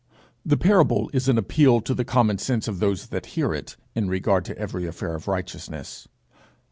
The parable is an appeal to the common sense of those that hear it, in regard to every affair of righteousness.